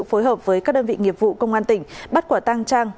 phối hợp với các đơn vị nghiệp vụ công an tỉnh bắt quả tăng trang